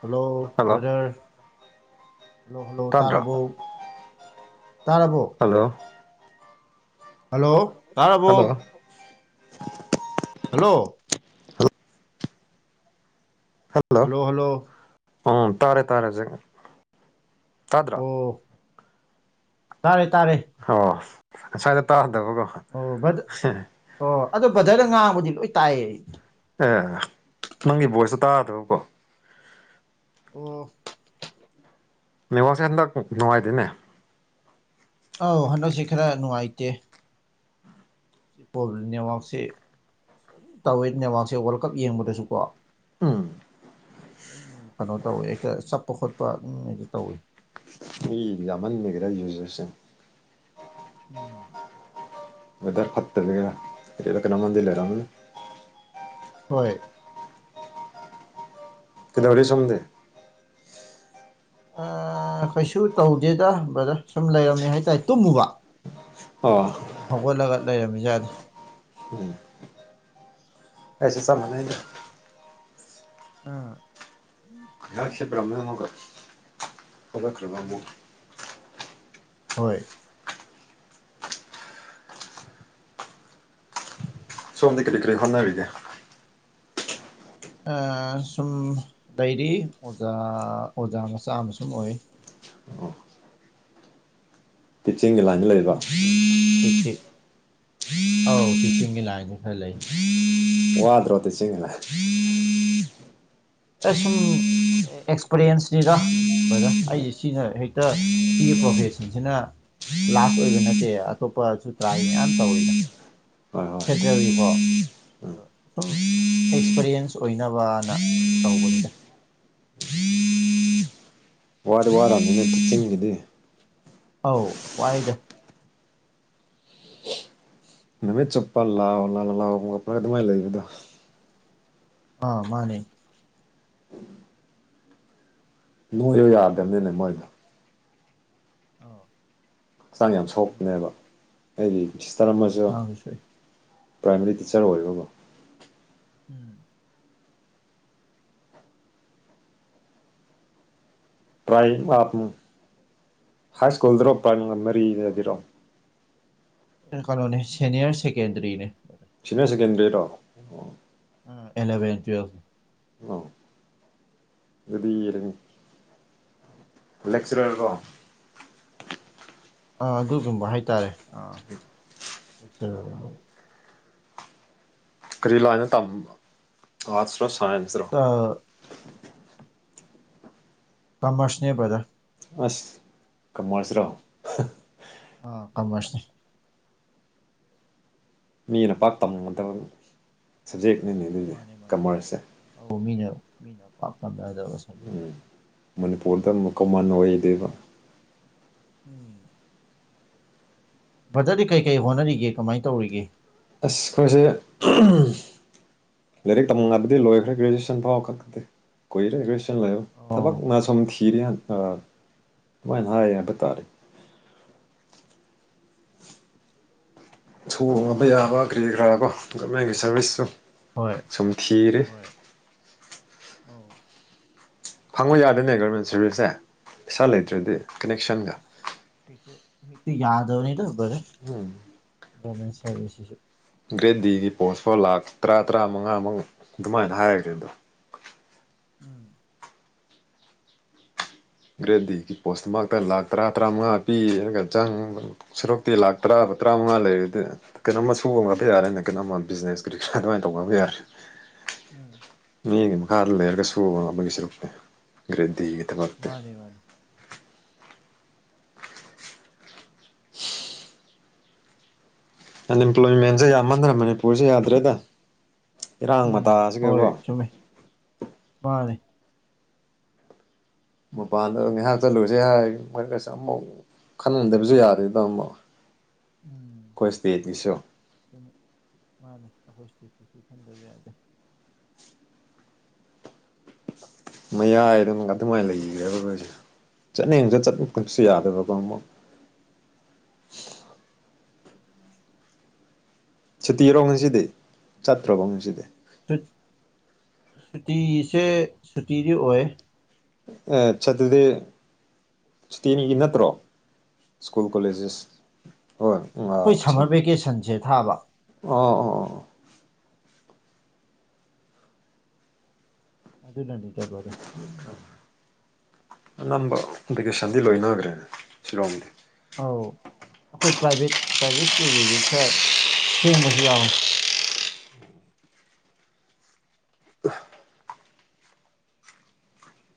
Hello hello brother hello hello ꯇꯥꯗ꯭ꯔꯣ ꯇꯥꯔꯕꯣ ꯇꯥꯔꯕꯣ ꯍꯜꯂꯣ ꯍꯜꯂꯣ ꯍꯜꯂꯣ ꯇꯥꯔꯥꯕꯣ ꯍꯜꯂꯣ ꯍꯜꯂꯣ ꯍꯜꯂꯣ ꯎꯝ ꯇꯥꯔꯦ ꯇꯥꯔꯦ ꯍꯧꯖꯤꯛ ꯇꯥꯗ꯭ꯔꯥ ꯑꯣ ꯇꯥꯔꯦ ꯇꯥꯔꯦ ꯍꯣ ꯉꯥꯁꯥꯏꯗꯣ ꯇꯥꯗꯕꯀꯣ ꯑꯣ ꯑꯣ ꯑꯗꯣ ꯕꯗꯔꯗ ꯉꯥꯡꯕꯗꯤ ꯂꯣꯏ ꯇꯥꯏꯌꯦ ꯑꯦ ꯅꯪꯒꯤ ꯚꯣꯏꯁꯇꯣ ꯇꯥꯗꯕꯀꯣ ꯑꯣ ꯅ ꯋꯥꯁꯦ ꯍꯟꯗꯛ ꯅꯨꯡꯉꯥꯏꯗꯦꯅꯦ ꯑꯧ ꯍꯟꯗꯛꯁꯤ ꯈꯔ ꯅꯨꯡꯉꯥꯏꯇꯦ ꯄꯣꯕ ꯅꯦꯠꯋꯥꯛꯁꯦꯝ ꯇꯧꯋꯦ ꯅꯦꯠꯋꯥꯛꯁꯦ ꯋꯥꯔꯜ ꯀꯞ ꯌꯦꯡꯕꯗꯁꯨꯀꯣ ꯎꯝ ꯝ ꯀꯩꯅꯣ ꯇꯧꯋꯤ ꯍꯦꯛꯇ ꯆꯠꯄ ꯈꯣꯠꯄ ꯑꯗꯨꯝ ꯑꯩꯗꯤ ꯇꯧꯏꯤ ꯕꯤ ꯌꯥꯝꯃꯟ ꯃꯒꯦꯔꯥ ꯌꯨꯖꯔꯁꯦ ꯎꯝ ꯋꯦꯗꯔ ꯐꯠꯇꯕ ꯀ ꯀꯅꯥ ꯃꯟꯗꯤ ꯂꯩꯔ ꯑꯃꯅꯤꯅꯤ ꯍꯣꯏ ꯀꯩꯗꯧꯔꯤ ꯁꯣꯝꯗꯦ ꯀꯩꯁꯨ ꯇꯧꯗꯦꯗ ꯕꯗ ꯁꯨꯝ ꯂꯩꯔꯝꯃꯦ ꯍꯥꯏꯇꯥꯔꯦ ꯇꯨꯝꯃꯨꯕ ꯑꯣ ꯑꯁꯨꯝ ꯍꯧꯒꯠꯂꯒ ꯂꯩꯔꯔꯕꯃꯤ ꯌꯥꯗꯦ ꯎꯝ ꯑꯩꯩꯁ ꯆ ꯃꯅꯦ ꯑꯥ ꯉ ꯁꯤꯕ꯭ꯔꯝꯃꯦ ꯑꯃꯒ ꯍꯕ ꯈ꯭ꯔꯕ ꯑꯃ ꯎꯝ ꯍꯣꯏ ꯁꯣꯝꯗꯤ ꯀꯔꯤ ꯀꯔꯤ ꯍꯣꯠꯅꯔꯤꯒꯦ ꯁꯨꯝ ꯗꯥꯏꯔꯤ ꯑꯣꯖꯥ ꯑꯣꯖꯥ ꯃꯆꯥ ꯑꯃ ꯁꯨꯝ ꯑꯣꯏ ꯄꯤꯆꯤꯡꯒ ꯂꯥꯟ ꯂꯩꯦ ꯇꯤ ꯇꯤꯛ ꯑꯧ ꯇꯤꯆꯤꯡꯒꯤ ꯂꯥꯏꯟꯗꯤ ꯈꯔ ꯂꯩ ꯋꯥꯗ꯭ꯔꯣ ꯇ ꯆ ꯁꯨꯝ ꯑꯦꯛꯁꯄꯔꯤꯌꯦꯟꯁꯅꯤꯗ ꯕꯗ ꯑꯩꯁꯦ ꯁꯤꯅ ꯍꯦꯛꯇ ꯁꯤꯒꯤ ꯄ꯭ꯔꯣꯐꯦꯁꯟꯁꯤꯅ ꯂꯥꯁ ꯑꯣꯏꯕ ꯅꯠꯇꯦ ꯑꯇꯣꯞꯄ ꯁꯨꯇ꯭ꯔꯥꯒꯤ ꯃꯌꯥꯝ ꯇꯧꯋꯤꯅ ꯍ ꯑꯗꯣ ꯁꯨꯝ ꯑꯦꯛꯁꯄꯔꯤꯌꯦꯟꯁ ꯑꯣꯏꯅꯕꯅꯨꯝ ꯇꯧꯕꯅꯤꯗ ꯔ ꯔ ꯑꯅꯦ ꯇꯤꯆꯤꯡꯒꯤꯗꯤ ꯑꯧ ꯋꯥꯏꯗ ꯅꯨꯃꯤꯠ ꯆꯨꯞꯄ ꯂꯥꯛꯑꯣ ꯂꯥꯑꯣ ꯂꯥꯛꯑꯣ ꯀꯞꯄꯂꯒ ꯑꯗꯨꯃꯥꯏ ꯂꯩꯕꯗꯣ ꯑ ꯃꯥꯅꯦ ꯅꯣꯏꯁꯨꯣ ꯌꯥꯗꯕꯅꯤꯅꯦ ꯃꯣꯏꯗ ꯑꯣ ꯍꯛꯆꯥꯡ ꯌꯥꯝ ꯁꯣꯛꯄꯅꯦꯕ ꯑꯩꯒꯤ ꯁꯤꯁꯇꯔ ꯃꯥꯅꯦ ꯑꯃꯁꯨ ꯍꯛꯆꯥꯡꯁꯨ ꯁꯣꯛꯏ ꯄ꯭ꯔꯥꯏꯃꯔꯤ ꯇꯤꯆꯔ ꯑꯣꯏꯔꯕꯣ ꯎꯝ ꯄ꯭ꯔꯥꯏ ꯍꯥꯏ ꯁ꯭ꯀꯨꯜꯗꯔꯣ ꯄ꯭ꯔꯥꯏ ꯃꯔꯤꯗꯗꯤꯔꯣ ꯀꯂꯣꯅꯦ ꯁꯦꯅꯤꯌꯔ ꯁꯦꯀꯦꯟꯗꯔꯤꯅꯦ ꯁꯤꯅꯤꯌꯔ ꯁꯦꯀꯦꯟꯗꯔꯤꯗꯣ ꯂꯕꯦꯟꯋꯁ ꯑ ꯑꯗꯨꯔ ꯂꯦꯛꯆꯔꯔ ꯀꯣ ꯑꯥ ꯑꯗꯨꯒꯨꯝꯕ ꯍꯥꯏꯇꯥꯔꯦ ꯑꯥꯆ ꯀꯔꯤꯂꯥꯅ ꯇ ꯑꯔꯠꯁ ꯔꯣ ꯁꯥꯏꯟꯁ ꯔ ꯑꯥ ꯀꯃꯔꯁꯅꯦ ꯄꯕꯖꯥ ꯑꯁ ꯀꯃꯔꯁ ꯔꯣ ꯑ ꯀꯃꯁꯅꯦ ꯃꯤꯅ ꯄꯥꯛ ꯇꯝꯒꯗꯕ ꯁꯕꯖꯦꯛꯅꯤꯅꯦ ꯑꯗꯨꯏꯗꯤ ꯀꯃꯔꯁꯁꯦ ꯑ ꯃꯤꯅ ꯃꯤꯅ ꯄꯥꯛ ꯇꯝꯅꯗꯧ ꯎꯝ ꯃꯅꯤꯄꯨꯔꯗ ꯑꯃꯨꯛ ꯀꯃꯟ ꯑꯣꯏꯗꯣꯏꯕ ꯎꯝ ꯕꯔꯗꯔꯗꯤ ꯀꯩ ꯀꯩ ꯍꯣꯠꯅꯔꯤꯒꯦ ꯀꯃꯥꯏꯅ ꯇꯧꯔꯤꯒꯦ ꯑ ꯈꯣꯡꯁꯦ ꯂꯥꯏꯔꯤꯛ ꯇꯝ ꯍꯥꯏꯕꯗꯤ ꯂꯣꯏꯈ꯭ꯔꯦꯒꯦꯖꯨꯌꯦꯁꯟ ꯐꯥꯎꯕ ꯀꯛꯇꯦ ꯀꯨꯏꯔꯦ ꯒꯣꯏꯁꯟ ꯂꯩꯔꯣ ꯑꯣ ꯊꯕꯛꯅ ꯁꯨꯝ ꯊꯤꯔ ꯑꯗꯨꯃꯥꯏꯅ ꯍꯥꯏ ꯍꯥꯏꯕ ꯇꯥꯔꯦ ꯁꯣꯡꯉꯕ ꯌꯥꯕ ꯀ꯭ꯔꯤ ꯈꯔꯥꯕꯣ ꯒꯃꯦꯟꯒꯤ ꯁꯥꯔꯚꯤꯁꯁꯨ ꯍꯣꯏ ꯁꯨꯝꯊꯤꯔ ꯍꯣꯏ ꯑꯧ ꯐꯪꯕ ꯌꯥꯗꯅꯦ ꯒꯣꯔꯃꯦꯟ ꯁꯔꯚꯤꯁꯁꯁꯦ ꯄꯩꯁꯥ ꯂꯩꯇ꯭ꯔꯗꯤ ꯀꯅꯦꯛꯁꯟꯒ ꯌꯥꯗꯧꯅꯤ ꯇꯔꯦ ꯁꯔꯁ ꯒ꯭ꯔꯦꯠ ꯗꯤꯒꯤ ꯄꯣꯁ ꯐꯥꯎ ꯂꯥꯛ ꯇꯔꯥ ꯇꯔꯥ ꯃꯉꯥꯃꯨꯛ ꯑꯗꯨꯃꯥꯏꯅ ꯍꯥꯏꯔꯒꯦ ꯑꯗꯣ ꯎꯝ ꯒ꯭ꯔꯦꯠ ꯗꯤꯒꯤ ꯄꯣꯁꯇꯨ ꯃꯛꯇ ꯂꯥꯛ ꯇꯔꯥ ꯇꯔꯥꯃꯉꯥ ꯄꯤ ꯑꯗꯨꯒꯒ ꯆꯥꯡ ꯁꯨꯔꯨꯛꯇꯤ ꯂꯥꯛ ꯇꯔꯥꯕ ꯇꯔꯥꯃꯉꯥ ꯂꯩꯔ ꯑꯗꯨ ꯀꯩꯅꯣꯝꯃ ꯁꯨꯕ ꯉꯕ ꯌꯥꯔꯦꯅ ꯀꯩꯅꯣꯝꯃ ꯕꯤꯖꯤꯅꯦꯁ ꯀ ꯀ ꯑꯗꯨꯃꯥꯏꯅ ꯇꯧꯕ ꯉꯕ ꯌꯥꯔꯦ ꯎꯝ ꯃꯤꯒꯤ ꯃꯈꯥꯗ ꯂꯩꯔꯒ ꯁꯨꯕꯅꯕꯒꯤ ꯁꯔꯨꯛꯇꯤ ꯒ꯭ꯔꯔꯤꯦꯟ ꯇꯤꯒꯤ ꯊꯕꯛꯇꯤ ꯃꯥꯅꯤ ꯃꯥꯅꯤ ꯑꯟꯑꯦꯝꯄ꯭ꯂꯣꯏꯃꯦꯟꯁꯦ ꯌꯥꯝꯃꯟꯗ꯭ꯔꯥ ꯃꯅꯤꯄꯨꯔꯁꯦ ꯌꯥꯗ꯭ꯔꯦꯗ ꯏꯔꯥꯡ ꯎꯝ ꯃꯇꯥꯁꯤꯒꯀꯣ ꯍꯣꯏ ꯆꯨꯝꯃꯦ ꯃꯥꯅꯤ꯫ ꯃꯄꯥꯟꯗ ꯉꯥꯏꯍꯥꯛꯇ ꯂꯨꯁꯦ ꯍꯥꯏ ꯃꯔꯒꯁ ꯑꯃꯧ ꯈꯟꯍꯟꯗꯕꯁꯨ ꯌꯥꯔꯦꯗꯥ ꯑꯃꯣ ꯑꯩꯈꯣꯏ ꯏꯁꯇꯦꯠꯀꯤꯁꯨ ꯨꯝꯃꯤ ꯃꯥꯜꯂꯤ ꯑꯩꯈꯣꯏ ꯁꯇꯤꯠꯇꯤꯁꯨ ꯈꯟꯗꯕ ꯌꯥꯗꯦ꯫ ꯃꯌꯥꯏ ꯑꯗꯨꯝ ꯑꯗꯨꯃꯥꯏꯅ ꯂꯩꯈ꯭ꯔꯦꯕꯈꯣ ꯑꯩꯁꯦ ꯆꯠꯅꯤꯡꯁꯨ ꯆꯠꯂ ꯈꯠꯁꯨ ꯌꯥꯗꯕꯀꯣ ꯑꯃꯨꯛ [inaudible] ꯁꯨꯇꯤꯔꯣ ꯉꯁꯤꯗꯤ ꯆꯠꯇ꯭ꯔꯕꯣ ꯉꯁꯤꯗꯤ꯫ ꯁꯨꯇꯤꯁꯦ ꯁꯨꯇꯤꯗꯤ ꯑꯣꯏ ꯑ ꯆꯠꯇꯗꯤ꯫ ꯁꯇꯦꯅꯤꯒꯤ ꯅꯠꯇ꯭ꯔꯣ ꯁ꯭ꯀꯨꯜ ꯀꯣꯂꯦꯖꯦꯁ ꯍꯣꯏ ꯑꯥ ꯑꯩꯈꯣꯏ ꯊꯤꯡ ꯁꯝꯃꯔ ꯚꯦꯀꯦꯁꯟꯁꯦ ꯊꯥꯕ ꯑꯣ ꯑꯣ ꯑꯗꯨꯅꯅꯤ ꯇꯕꯔꯦ ꯑꯅꯝꯕ ꯚꯦꯀꯦꯁꯟꯗꯤ ꯂꯣꯏꯅꯈ꯭ꯔꯦ ꯁꯤꯂꯣꯡꯗꯤ꯫ ꯑꯧ ꯑꯩꯈꯣꯏ ꯄ꯭ꯔꯥꯏꯚꯦꯠ ꯄ꯭ꯔꯥꯏꯚꯦꯠ ꯁ꯭ꯀꯨꯜꯒꯤꯗꯤ ꯈꯔ ꯊꯦꯡꯕꯁꯨ ꯌꯥꯎꯋꯤ꯫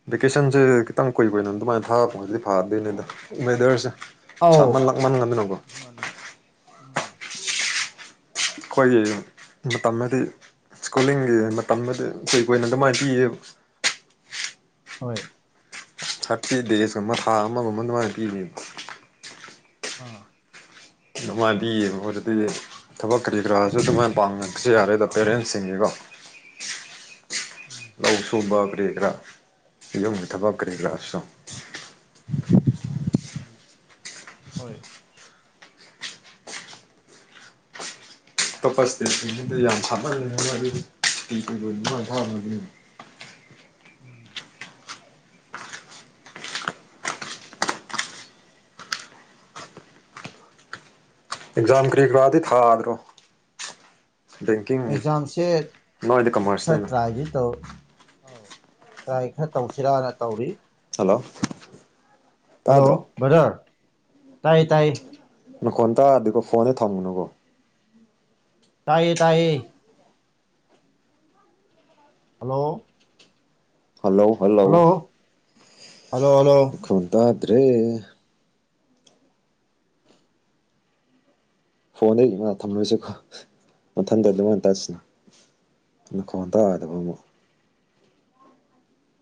ꯚꯦꯀꯦꯁꯟꯁꯦ ꯈꯤꯇꯪ ꯀꯨꯏꯕꯣꯏ ꯅ ꯑꯗꯨꯃꯥꯏꯅ ꯊꯥꯔꯛꯄꯗꯤ ꯐꯥꯗꯣꯏꯅꯦꯗ ꯋꯦꯗꯔꯁꯦ꯫ ꯑꯥꯎ ꯁꯥꯃꯟ ꯂꯥꯛꯃꯟꯒꯗꯅꯀꯣ ꯃꯥꯅꯦ ꯎꯝ ꯑꯩꯈꯣꯏꯒꯤ ꯃꯇꯝ ꯑꯗꯨꯗꯤ ꯁ꯭ꯀꯨꯜꯂꯤꯡꯒꯤ ꯃꯇꯝꯗꯨꯗꯤ ꯑꯩꯣꯏ ꯀꯣꯏꯅ ꯑꯗꯨꯃꯥꯏꯅ ꯄꯤꯌꯦꯕ꯫ ꯍꯣꯏ ꯊꯥꯔꯇꯤ ꯗꯦꯖꯀ ꯃꯈꯥ ꯑꯃꯒꯨꯝꯕ ꯑꯗꯨꯃꯥꯏꯅ ꯄꯤꯔꯤꯕ ꯑꯥ ꯃꯥꯏꯗꯤ ꯑꯣꯏ ꯑꯗꯨ ꯑꯗꯨꯗꯤ ꯊꯕꯛ ꯀꯔꯤ ꯀꯔꯥꯁꯨ ꯑꯗꯨꯃꯥꯏꯅ ꯄꯥꯝꯕꯁꯨ ꯌꯥꯔꯦꯗ ꯄꯦꯔꯦꯟꯁꯁꯤꯡꯒꯤꯀꯣ ꯎꯝ ꯂꯧ ꯁꯨꯕ ꯀꯔꯤꯦ ꯈꯔꯥ ꯌꯣ ꯊꯕꯛ ꯀꯔꯤꯒ꯭ꯔꯁꯨꯣ ꯎꯝ ꯍꯣꯏ ꯑꯇꯣꯞꯄ ꯏꯁꯇꯦꯠꯁꯤꯡꯗꯨꯗ ꯌꯥꯝ ꯁꯥꯠꯍꯟꯅꯤꯡꯅ ꯑꯗꯨꯇꯤꯥꯡ ꯐꯕꯅꯤ꯫ [inaudible] ꯑꯦꯛꯖꯥ ꯀ꯭ꯔꯤꯛ ꯋꯥꯥꯗꯩ ꯊꯥꯗꯔꯣ ꯕꯦꯡꯀꯤꯡꯅꯤ ꯅꯣꯏꯗꯤ ꯀꯃꯔꯁꯅꯦꯅ ꯍꯥꯏ ꯇꯣ ꯑꯧ ꯇ꯭ꯔꯥꯏ ꯈꯔ ꯇꯧꯁꯤꯔꯥꯅ ꯇꯧꯔꯤ꯫ ꯍꯜꯂꯣ ꯍꯜꯂꯣ ꯇꯥꯗ꯭ꯔꯣ ꯭ꯔꯗꯔ ꯇꯥꯏ ꯇꯥꯏ ꯅꯈꯣꯟ ꯇꯥꯗꯤꯒꯣ ꯐꯣꯟꯗꯩ ꯊꯝꯃꯅꯨꯀꯣ ꯇꯥꯏꯌꯦ ꯇꯥꯏꯌꯦ꯫ Hello hello hello hello hello ꯈꯨꯟꯗꯗ꯭ꯔꯦ꯫ ꯐꯣꯟꯗꯒꯤ ꯏꯃꯥ ꯊꯝꯂꯣꯏꯁꯤꯀꯣ ꯃꯊꯟꯇ ꯑꯗꯨꯃꯥꯏꯅ ꯇꯁꯤꯅ ꯈꯣꯟꯗꯥꯥꯗꯕ ꯑꯃꯨꯛ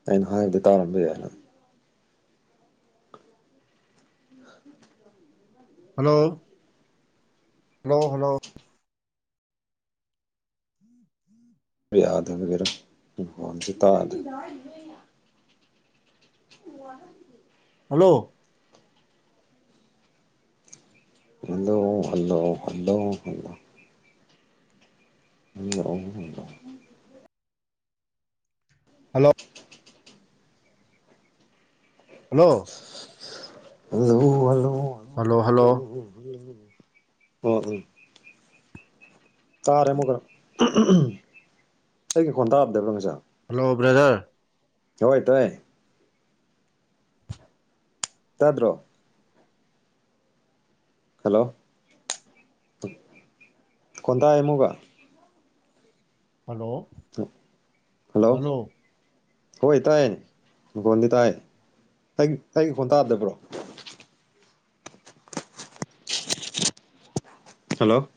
ꯑꯩꯅ ꯍꯥꯏꯕꯗꯤ ꯇꯥꯔꯝꯕ ꯌꯥꯏ ꯍꯜꯂꯣ ꯍꯜꯂꯣ ꯍꯜꯂꯣ [inaudible] ꯔ ꯌꯥꯗꯪꯒꯔꯣꯟꯁꯤ ꯇꯥꯗ hello hello hello hello [unintelligible] hello hello hello hello hello hello [unintelligible] ꯑꯣ ꯎꯝ ꯇꯥꯔꯦ ꯑꯃꯨꯛꯀ ꯑꯩꯒꯤ ꯈꯣꯟ ꯇꯥꯗꯕ꯭ꯔ ꯉꯁꯥ ꯍꯜꯂꯣ ꯕ꯭ꯔꯗꯔ ꯍꯣꯏ ꯇꯥꯏ ꯇꯥꯗ꯭ꯔꯣ ꯍꯜꯂꯣ ꯈꯣꯟ ꯇꯥꯏ ꯑꯃꯨꯛꯀ ꯍꯂꯣ ꯍꯜꯂꯣ ꯍꯣꯏ ꯇꯥꯏ ꯕꯣꯟꯗꯤ ꯇꯥꯏ ꯑꯩ ꯑꯩ ꯈꯣꯟ ꯇꯥꯗꯕ꯭ꯔꯣ ꯍꯜꯂꯣ